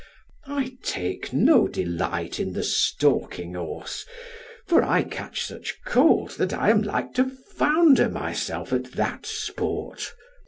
I take no delight in the stalking horse, for I catch such cold that I am like to founder myself at that sport.